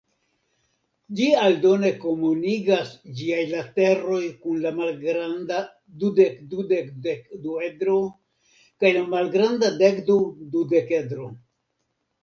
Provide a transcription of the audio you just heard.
Ĝi aldone komunigas ĝiaj lateroj kun la malgranda dudek-dudek-dekduedro kaj la malgranda dekdu-dudekedro.